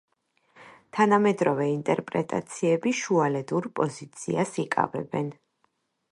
თანამედროვე ინტერპრეტაციები შუალედურ პოზიციას იკავებენ.